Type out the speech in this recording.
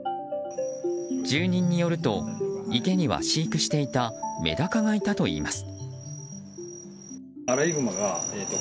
住人によると池には飼育していたメダカがいたといいます。